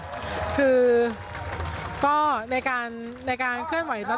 ที่เกี่ยวข้องกับการเคลื่อนไหวไหมครับ